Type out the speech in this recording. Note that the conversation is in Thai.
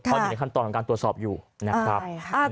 เพราะอยู่ในขั้นตอนของการตรวจสอบอยู่นะครับ